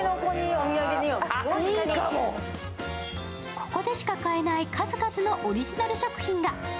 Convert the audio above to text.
ここでしか買えない数々のオリジナル食品が。